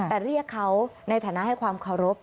แต่เรียกเขาในฐานะให้ความเคารพ